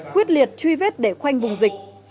quyết liệt truy vết để khoanh vùng dịch